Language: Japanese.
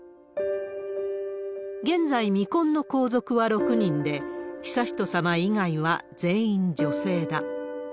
現在未婚の皇族は６人で、悠仁さま以外は全員女性だ。